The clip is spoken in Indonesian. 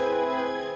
aku mau berjalan